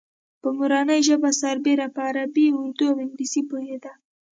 په مورنۍ ژبه سربېره په عربي، اردو او انګلیسي پوهېده.